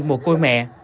một cô mẹ